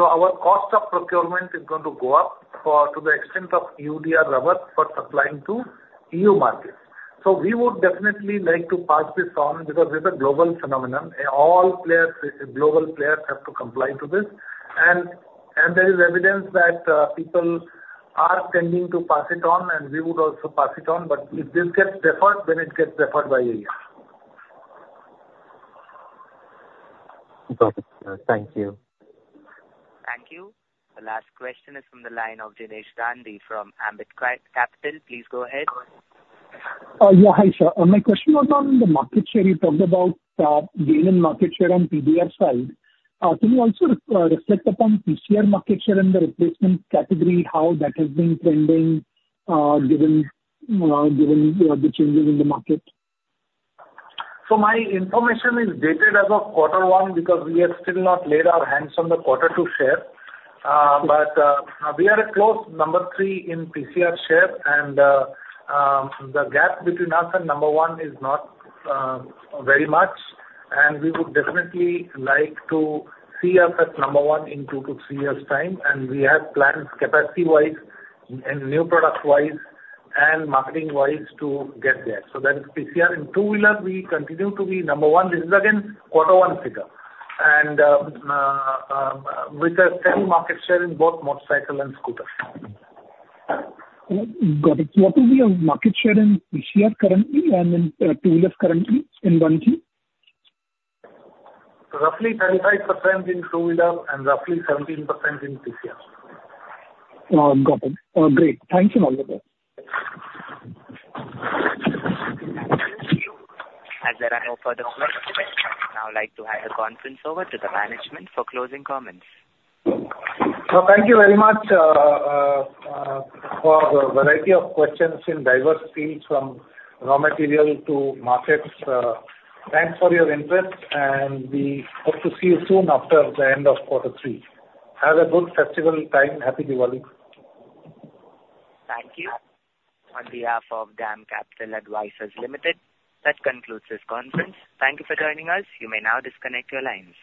So our cost of procurement is going to go up for, to the extent of EUDR rubber for supplying to EU markets. So we would definitely like to pass this on, because this is a global phenomenon. All players, global players, have to comply to this. There is evidence that people are tending to pass it on, and we would also pass it on, but if this gets deferred, then it gets deferred by a year. Got it, sir. Thank you. Thank you. The last question is from the line of Jinesh Gandhi from Ambit Capital. Please go ahead. Yeah, hi, sir. My question was on the market share. You talked about gain in market share on TBR side. Can you also reflect upon PCR market share in the replacement category, how that has been trending, given the changes in the market? My information is dated as of quarter one, because we have still not laid our hands on the quarter two share, but we are a close number three in PCR share, and the gap between us and number one is not very much, and we would definitely like to see us at number one in two to three years' time, and we have plans capacity-wise and new product-wise and marketing-wise to get there. That is PCR. In two-wheeler, we continue to be number one. This is again quarter one figure, and with a 10% market share in both motorcycle and scooter. Got it. What will be our market share in PCR currently and in two-wheeler currently, in one week? Roughly 35% in two-wheeler and roughly 17% in PCR. Got it. Great. Thank you much. As there are no further questions, I would now like to hand the conference over to the management for closing comments. So thank you very much, for the variety of questions in diverse fields, from raw material to markets. Thanks for your interest, and we hope to see you soon after the end of quarter three. Have a good festival time. Happy Diwali! Thank you. On behalf of DAM Capital Advisors Limited, that concludes this conference. Thank you for joining us. You may now disconnect your line.